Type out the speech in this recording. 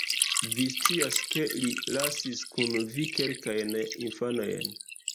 Vi scias ke li lasis kun vi kelkajn infanojn